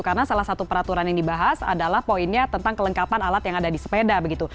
karena salah satu peraturan yang dibahas adalah poinnya tentang kelengkapan alat yang ada di sepeda begitu